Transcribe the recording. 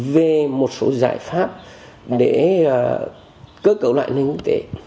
về một số giải pháp để cơ cấu lại nền quốc tế